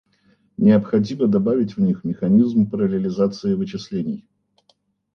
Необходимо добавить в них механизм параллелизации вычислений